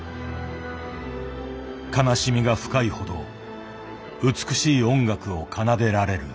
「悲しみが深いほど美しい音楽を奏でられる」。